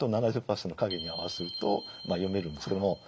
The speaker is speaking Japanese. ７０％の影に合わせると読めるんですけども。